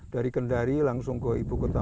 dari kendari langsung ke ibu kota